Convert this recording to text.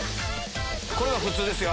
これは普通ですよ。